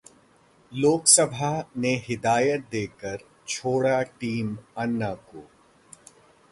लोकसभा ने हिदायत देकर छोड़ा टीम अन्ना को